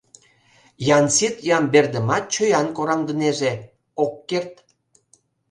Янсит Ямбердымат чоян кораҥдынеже, ок керт.